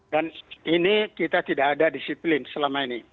dan ini kita tidak ada disiplin selama ini